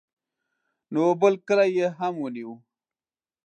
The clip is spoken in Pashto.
نو بل کلی یې هم ونیو.